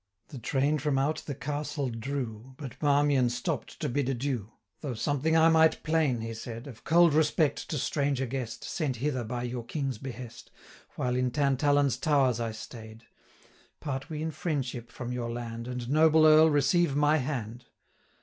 The train from out the castle drew, 390 But Marmion stopp'd to bid adieu: 'Though something I might plain,' he said, 'Of cold respect to stranger guest, Sent hither by your King's behest, While in Tantallon's towers I staid; 395 Part we in friendship from your land, And, noble Earl, receive my hand.'